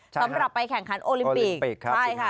สำหรับไปแข่งขันโอลิมปิกใช่ค่ะ